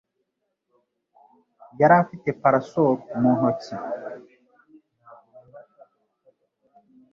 Yari afite parasol mu ntoki.